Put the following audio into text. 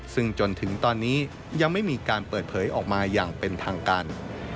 ซึ่งจนถึงตอนนี้ยังไม่มีการเปิดเผยออกมาอย่างเป็นทางการ